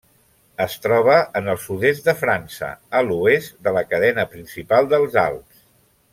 Es troba en el sud-est de França, a l'oest de la cadena principal dels Alps.